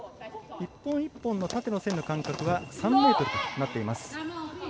１本１本の縦の線の間隔は３ｍとなっています。